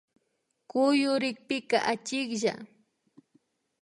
Kuyurikpika achiklla